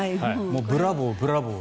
ブラボー！